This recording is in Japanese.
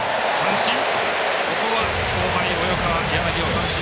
三振！